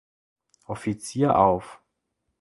Offizier auf.